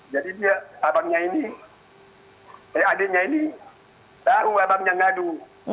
jadi dia abangnya ini adiknya ini tahu abangnya ngadu